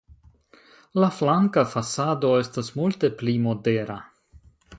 La flanka fasado estas multe pli modera.